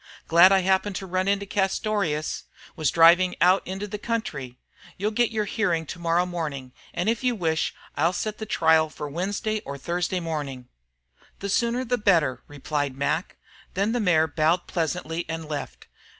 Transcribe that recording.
"Glad I happened to run across Castorious. Was driving out into the country. You'll get your hearing to morrow morning, and if you wish I'll set the trial for Wednesday or Thursday morning." "The sooner the better," replied Mac. Then the mayor bowed pleasantly and left.